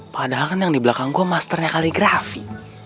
padahal kan yang dibelakang gua masternya kaligrafi